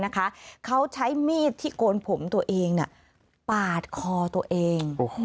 เขาใช้มีดที่โกนผมตัวเองปาดคอตัวเอง